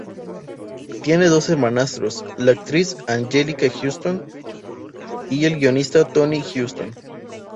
Tiene dos hermanastros, la actriz Anjelica Huston y el guionista Tony Huston.